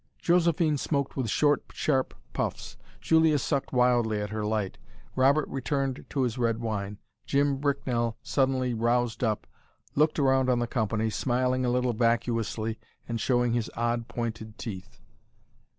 Josephine smoked with short, sharp puffs. Julia sucked wildly at her light. Robert returned to his red wine. Jim Bricknell suddenly roused up, looked round on the company, smiling a little vacuously and showing his odd, pointed teeth.